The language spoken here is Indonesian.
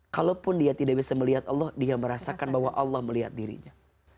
kalaupun dia tidak bisa melihat allah dia merasakan bahwa allah melihat dirinya